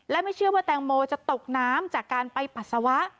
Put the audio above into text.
และไม่เชื่อว่าแตงโมจะตกน้ำจากการไปปัสสาวะ